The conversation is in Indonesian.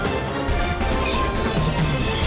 terima kasih sekali